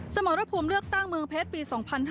สมรภูมิเลือกตั้งเมืองเพชรปี๒๕๕๙